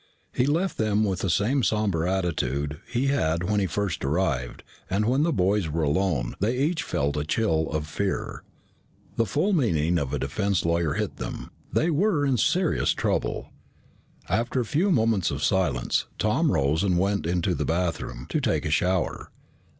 He left them with the same somber attitude he had when he first arrived, and when the boys were alone, they each felt a chill of fear. The full meaning of a defense lawyer hit them. They were in serious trouble. After a few moments of silence, Tom rose and went into the bathroom to take a shower.